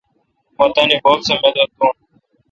مہ تانی بب سہ مدد دون۔